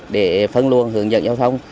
để phân luận hướng dẫn giao thông